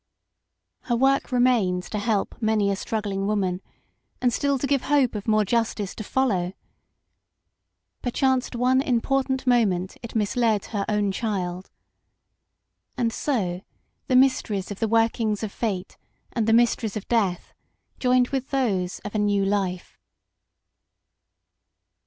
Her work remains to help many a struggling woman, and still to give hope of more justice to follow ; perchance at one important moment it misled her own child. And so the mysteries of the workings of Fate and the mysteries of death joined with those of a new life.